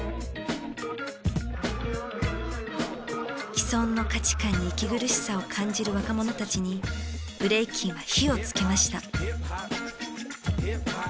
既存の価値観に息苦しさを感じる若者たちにブレイキンは火をつけました。